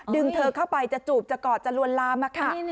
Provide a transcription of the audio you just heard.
เธอเข้าไปจะจูบจะกอดจะลวนลามค่ะ